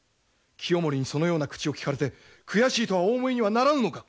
清盛にそのような口をきかれて悔しいとはお思いにはならぬのか！？